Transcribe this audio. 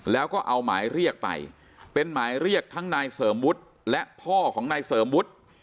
แล้วก็เอาหมายเรียกไปเป็นหมายเรียกทั้งนายเสริมวุฒิและพ่อของนายเสริมวุฒิ